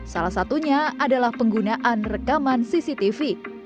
salah satunya adalah penggunaan rekaman cctv